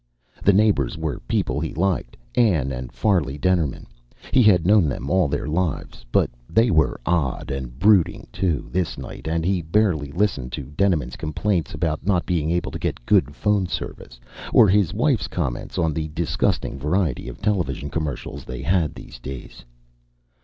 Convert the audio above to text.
The neighbors were people he liked Anne and Farley Dennerman. He had known them all their lives. But they were odd and brooding, too, this night and he barely listened to Dennerman's complaints about not being able to get good phone service or his wife's comments on the disgusting variety of television commercials they had these days.